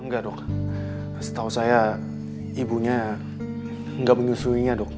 enggak dok setahu saya ibunya nggak menyusuinya dok